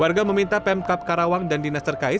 warga meminta pemkap karawang dan dinas terkait